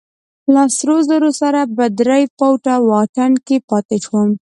زه له سرو زرو سره په درې فوټه واټن کې پاتې شوم.